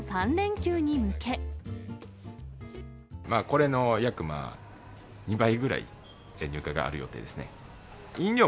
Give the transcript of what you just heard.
これの約２倍ぐらい、入荷がある予定ですね。